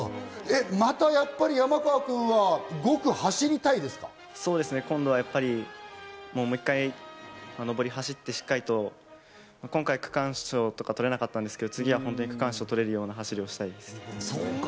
また、やっぱり山川君は５区、今度はやっぱりもう１回、上りを走って、しっかりと今回区間賞とか取れなかったんですけど、次は区間賞を取れるような走りをしたいです。